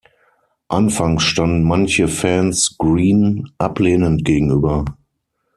Anfangs standen manche Fans Green ablehnend gegenüber.